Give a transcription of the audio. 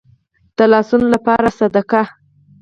د لاسونو لپاره صدقه.